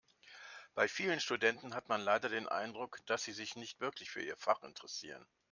Bei vielen Studenten hat man leider den Eindruck, dass sie sich nicht wirklich für ihr Fach interessieren.